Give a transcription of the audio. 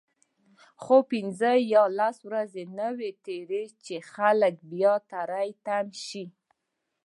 خو پنځه یا لس ورځې نه وي تیرې چې خلک بیا تری تم شي.